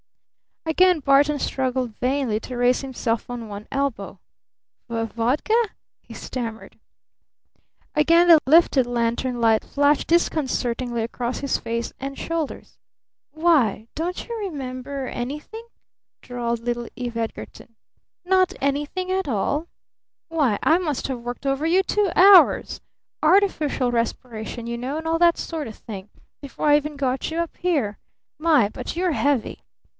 Again Barton struggled vainly to raise himself on one elbow. "Vodka?" he stammered. Again the lifted lantern light flashed disconcertingly across his face and shoulders. "Why, don't you remember anything?" drawled little Eve Edgarton. "Not anything at all? Why, I must have worked over you two hours artificial respiration, you know, and all that sort of thing before I even got you up here! My! But you're heavy!"